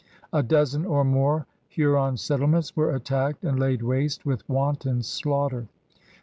A dozen or more Huron settlements were attacked and laid waste with wanton slaughter.